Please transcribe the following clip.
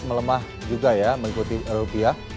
melemah juga ya mengikuti rupiah